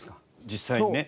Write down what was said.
実際にね